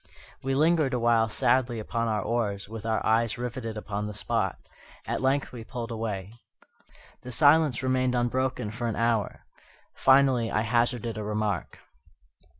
We lingered awhile sadly upon our oars, with our eyes riveted upon the spot. At length we pulled away. The silence remained unbroken for an hour. Finally I hazarded a remark.